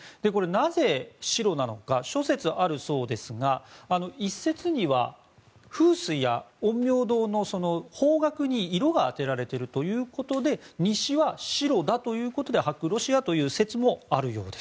なぜ白なのか諸説あるそうですが一説には、風水や陰陽道の方角に色が当てられているということで西は白だということで白ロシアという説もある。